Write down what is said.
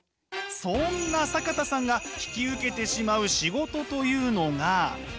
そんな坂田さんが引き受けてしまう仕事というのが。